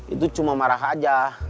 itu cuma marah aja